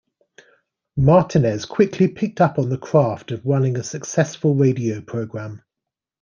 Martinez quickly picked up on the craft of running a successful radio program.